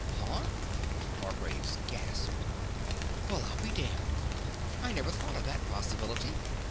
"Huh?" Hargraves gasped. "Well, I'll be damned! I never thought of that possibility."